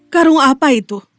karung apa itu